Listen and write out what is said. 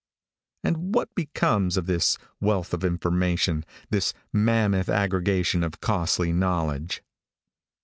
And what becomes of all this wealth of information this mammoth aggregation of costly knowledge?